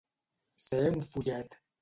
Ser un follet.